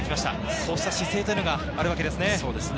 そうした姿勢があるわけですね。